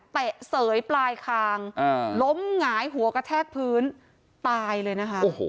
เสยปลายคางล้มหงายหัวกระแทกพื้นตายเลยนะคะ